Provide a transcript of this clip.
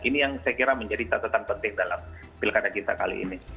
ini yang saya kira menjadi catatan penting dalam pilkada kita kali ini